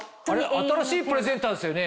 新しいプレゼンターですよね？